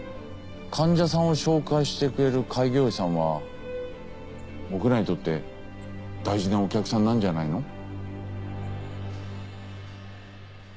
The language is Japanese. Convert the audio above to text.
患者さんを紹介してくれる開業医さんは僕らにとって大事なお客さんなんじゃないの？